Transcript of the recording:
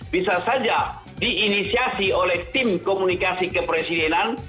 bisa saja di inisiasi oleh tim komunikasi kepresidenan